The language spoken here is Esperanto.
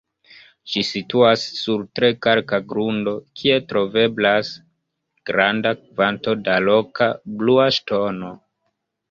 Ĝi situas sur tre kalka grundo, kie troveblas granda kvanto da loka "blua ŝtono".